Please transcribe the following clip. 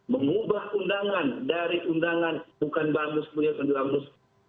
mengubah undangan dari undangan bukan bamus bunyasan duamus